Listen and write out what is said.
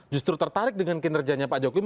justru tertarik dengan kinerjanya pak jokowi